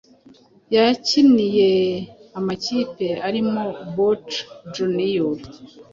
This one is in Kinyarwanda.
Yakiniye amakipe arimo Boca Juniors,